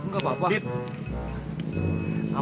kesana cok ya